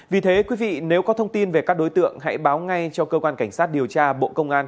vì thế quý vị nếu có thông tin về các đối tượng hãy báo ngay cho cơ quan cảnh sát điều tra bộ công an